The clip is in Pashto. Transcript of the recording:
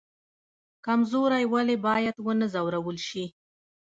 کمزوری ولې باید ونه ځورول شي؟